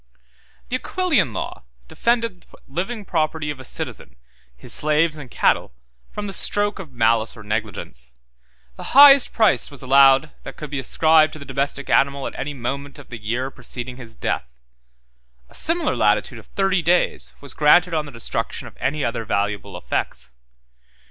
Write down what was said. The Aquilian law 169 defended the living property of a citizen, his slaves and cattle, from the stroke of malice or negligence: the highest price was allowed that could be ascribed to the domestic animal at any moment of the year preceding his death; a similar latitude of thirty days was granted on the destruction of any other valuable effects.